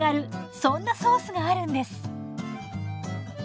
そんなソースがあるんです。